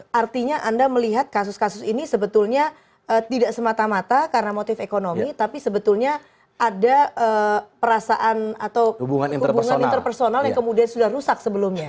artinya anda melihat kasus kasus ini sebetulnya tidak semata mata karena motif ekonomi tapi sebetulnya ada perasaan atau hubungan interpersonal yang kemudian sudah rusak sebelumnya